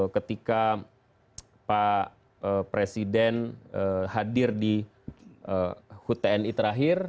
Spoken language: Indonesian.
ketika pak presiden hadir di hut tni terakhir